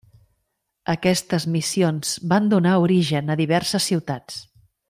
Aquestes missions van donar origen a diverses ciutats.